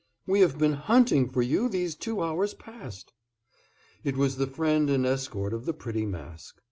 "We have been hunting for you these two hours past." It was the friend and escort of the pretty Mask.